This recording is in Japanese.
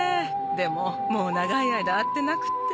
でももう長い間会ってなくて。